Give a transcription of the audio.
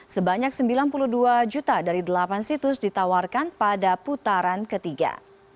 sebanyak sembilan puluh dua juta dari delapan situs ditawarkan pada putaran ketiga